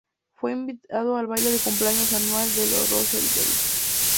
Fue invitado al baile de cumpleaños anual de los Roosevelt.